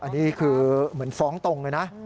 อันนี้คือเหมือนฟ้องตรงเลยนะ